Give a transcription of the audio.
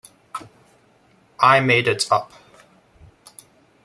I made it up.